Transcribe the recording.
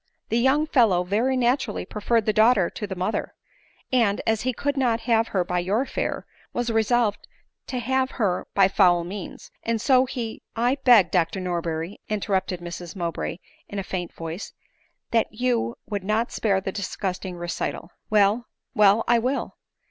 The young fellow very naturally preferred the daughter to the mother; and, as he could not have her by fair, was resolved to have her by foul means ; and so he— 1 —"" 1 beg, Dr Norberry," interrupted Mrs ' Mowbray in a faint voice, " that you would spare the disgusting recital." " Well, well, I will.